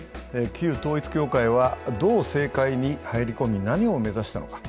旧統一教会は、どう政界に入り込み、何を目指したのか。